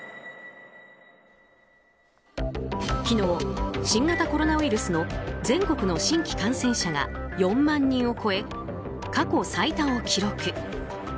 昨日、新型コロナウイルスの全国の新規感染者が４万人を超え、過去最多を記録。